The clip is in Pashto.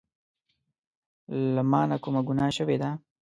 له مانه کومه ګناه شوي ده